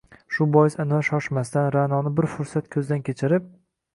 Shu bois Anvar shoshmasdan, Ra’noni bir fursat ko’zdan kechirib